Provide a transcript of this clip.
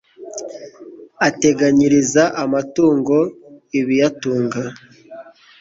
ateganyiriza amatungo ibiyatunga